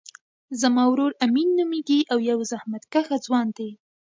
زما ورور امین نومیږی او یو زحمت کښه ځوان دی